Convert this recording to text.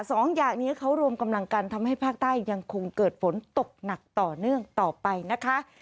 สองอย่างนี้เขารวมกำลังกันทำให้ภาคใต้ยังคงเกิดฝนตกหนักต่อเนื่องต่อไปนะคะ